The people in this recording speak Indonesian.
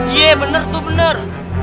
iya bener tuh bener